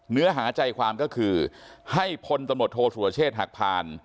เนื้อหาใจความก็คือให้พลตำรวจโทษสุรเชษฐ์หักผ่าน